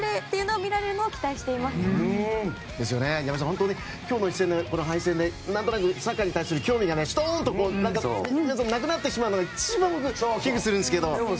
本当に今日の敗戦で何となくサッカーに対する興味がストンとなくなってしまうのが一番危惧するんですけれども。